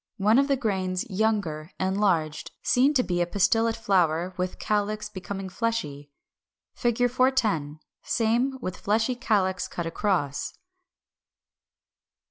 One of the grains younger, enlarged; seen to be a pistillate flower with calyx becoming fleshy. 410. Same, with fleshy calyx cut across.